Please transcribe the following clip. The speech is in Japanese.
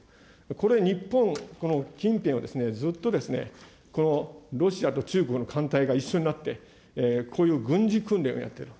これ、日本、近辺をずっと、ロシアと中国の艦隊が一緒になってこういう軍事訓練をやってる。